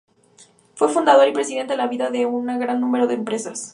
Fue Fundador, y Presidente en vida de un gran número de empresas.